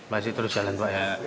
masih terus jalan pak ya